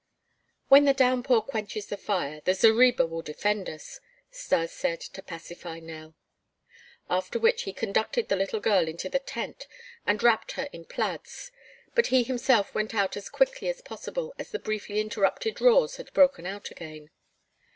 "When the downpour quenches the fire, the zareba will defend us," Stas said to pacify Nell. After which he conducted the little girl into the tent and wrapped her in plaids, but he himself went out as quickly as possible as the briefly interrupted roars had broken out again.